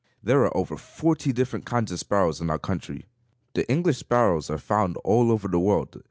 There are over forty different kinds of sparrows in our country. The English sparrows are found all over the world.